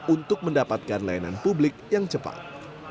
untuk mendapatkan layanan publik yang cepat